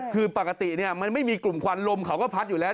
คือปกติมันไม่มีกลุ่มควันลมเขาก็พัดอยู่แล้ว